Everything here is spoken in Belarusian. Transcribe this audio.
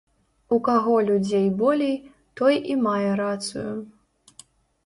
У каго людзей болей, той і мае рацыю.